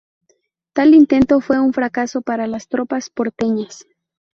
Tal intento fue un fracaso para las tropas porteñas.